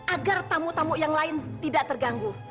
agar tamu tamu yang lain tidak terganggu